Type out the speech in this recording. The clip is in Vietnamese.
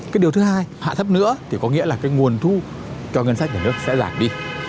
cái điều thứ hai hạ thấp nữa thì có nghĩa là cái nguồn thu cho ngân sách nhà nước sẽ giảm đi